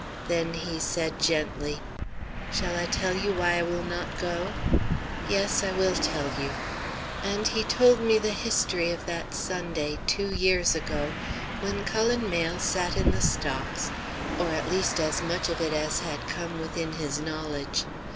Then he said gently: "Shall I tell you why I will not go? Yes, I will tell you," and he told me the history of that Sunday, two years ago, when Cullen Mayle sat in the stocks, or at least as much of it as had come within his knowledge.